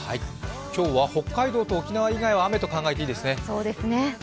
今日は北海道と沖縄以外は雨と考えていいですね。